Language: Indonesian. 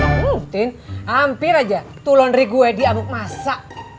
hmm tin hampir aja tuh laundry gue di abuk masa